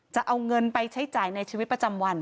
จะเอาเงินไปใช้จ่ายในชีวิตประจำวัน